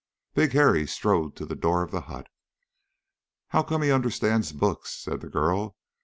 Big Harry strode to the door of the hut. "How come he understands books?" said the girl.